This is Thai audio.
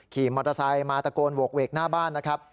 ขี่มอเตอร์ไซค์มาตะโกนโหกเวกหน้าบ้านนะครับ